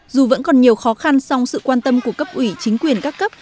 dù vẫn còn nhiều khó khăn song sự quan tâm của cấp ủy chính quyền các cấp